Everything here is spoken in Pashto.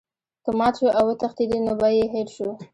که مات شو او وتښتیدی نوم به یې هیر شو.